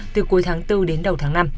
từ cuối tháng bốn đến đầu tháng năm